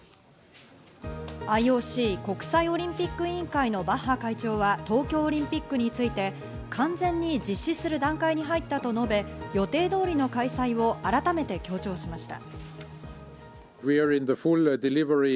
ＩＯＣ＝国際オリンピック委員会のバッハ会長は、東京オリンピックについて、完全に実施する段階に入ったと述べ予定通りの開催を改めて強調しました。